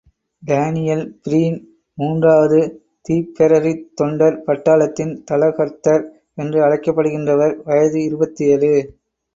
Daniel Breen மூன்றாவது திப்பெரரித்தொண்டர் பட்டாளத்தின் தளகர்த்தர் என்று அழைக்கப்படுகின்றவர் வயது இருபத்தேழு.